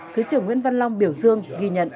thứ trưởng nguyễn văn long biểu dương ghi nhận